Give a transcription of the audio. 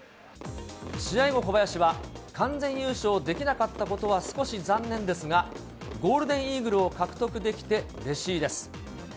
試合後、小林は、完全優勝できなかったことは少し残念ですが、ゴールデンイーグルを獲得できて、うれしいです。